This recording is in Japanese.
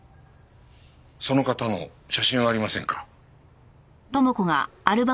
その方の写真はありませんか？